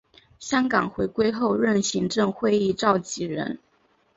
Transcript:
香港回归后任行政会议召集人。